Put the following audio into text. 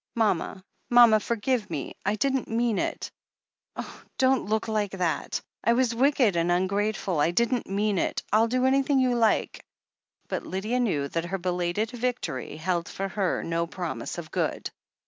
"Mama, mama, forgive me — I didn't mean it. Oh, don't look like that ! I was wicked and ungrateful — I didn't mean it — I'll do anything you lik e " 458 THE HEEL OF ACHILLES But Lydia knew that her belated victory held for her no promise of good.